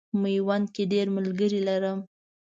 میوند کې ډېر ملګري لرم.